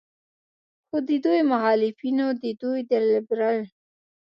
خو د دوي مخالفينو د دوي د لبرل